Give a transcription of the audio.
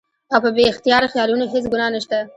او پۀ بې اختياره خيالونو هېڅ ګناه نشته